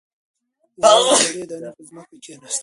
د واورې وړې دانې په ځمکه کښېناستې.